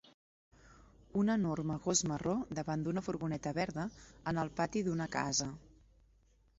Un enorme gos marró davant d'una furgoneta verda, en el pati d'una casa.